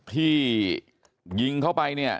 ที่ยิงเข้าไปเนี่ย